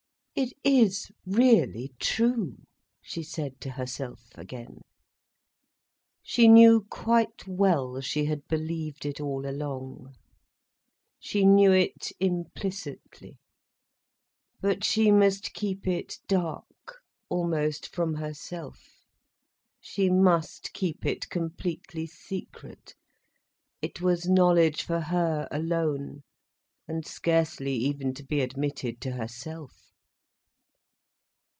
"It is really true," she said to herself again. She knew quite well she had believed it all along. She knew it implicitly. But she must keep it dark—almost from herself. She must keep it completely secret. It was knowledge for her alone, and scarcely even to be admitted to herself.